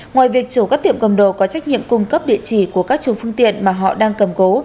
ngoài việc chủ các tiệm cầm đồ có trách nhiệm cung cấp địa chỉ của các chủ phương tiện mà họ đang cầm cố